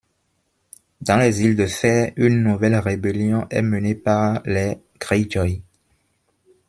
Dans les îles de Fer, une nouvelle rébellion est menée par les Greyjoy.